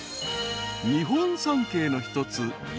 ［日本三景の一つ］